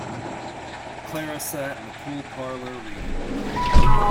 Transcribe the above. Clara sat in the cool parlour reading.